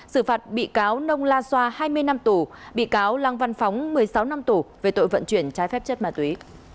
xử phạt bị cáo nông la xoa hai mươi năm tù bị cáo lăng văn phóng một mươi sáu năm tù về tội vận chuyển trái phép chất ma túy